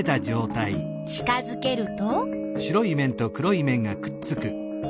近づけると？